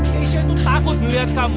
indonesia itu takut melihat kamu